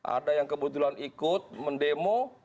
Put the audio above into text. ada yang kebetulan ikut mendemo